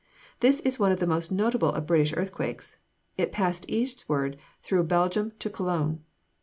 This is one of the most notable of British earthquakes; it passed eastward through Belgium to Cologne.